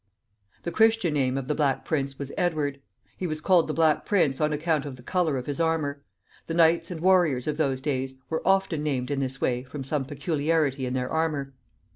The Christian name of the Black Prince was Edward. He was called the Black Prince on account of the color of his armor. The knights and warriors of those days were often named in this way from some peculiarity in their armor.